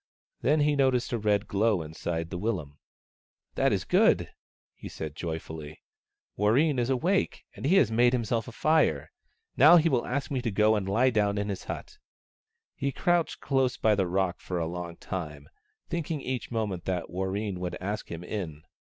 Then he noticed a red glow inside the willum. " That is good," he said, joyfully, " Warreen is awake, and has made himself a fire. Now he will ask me to go and lie down in his hut." He crouched close by the rock for a long time, thinking each moment that Warreen would ask him in.